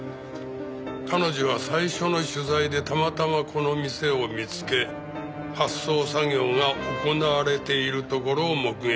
彼女は最初の取材でたまたまこの店を見つけ発送作業が行われているところを目撃した。